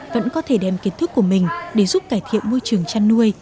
vẫn có thể đem kiến thức của mình để giúp cải thiện môi trường chăn nuôi